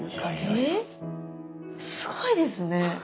すごいですね。